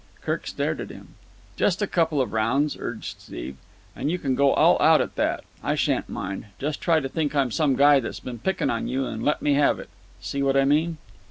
Kirk stared at him. "Just a couple of rounds," urged Steve. "And you can go all out at that. I shan't mind. Just try to think I'm some guy that's been picking on you and let me have it. See what I mean?"